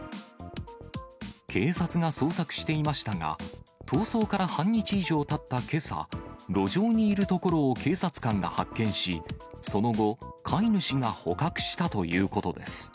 警察が捜索していましたが、逃走から半日以上たったけさ、路上にいるところを警察官が発見し、その後、飼い主が捕獲したということです。